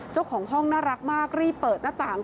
เจ้าของห้องน่ารักมากรีบเปิดหน้าต่าง